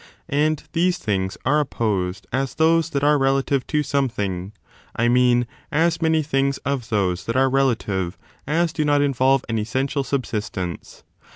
^ and these things are opposed as those that are ^' relative to something — I mean, as many things of those that are relative as do not involve an essential subsistence.